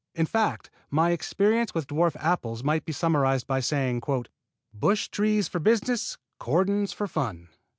In fact my experience with dwarf apples might be summarized by saying, "bush trees for business, cordons for fun."